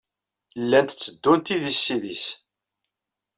Llant tteddunt idis s idis.